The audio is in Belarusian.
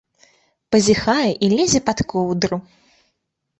Пазяхае і лезе пад коўдру.